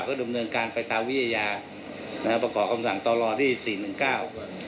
ดำเนินการไปตามวิทยานะฮะประกอบคำสั่งต่อรอที่สี่หนึ่งเก้า